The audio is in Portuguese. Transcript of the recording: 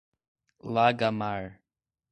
Lagamar